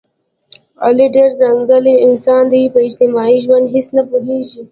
علي ډېر ځنګلي انسان دی، په اجتماعي ژوند هېڅ نه پوهېږي.